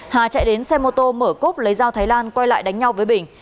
hà chạy đến xe mô tô mở cốp lấy dao thái lan quay lại đánh nhau với bình